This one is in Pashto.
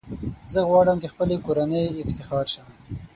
زه غواړم د خپلي کورنۍ افتخار شم .